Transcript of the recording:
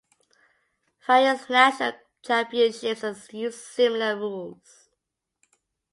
Various national championships use similar rules.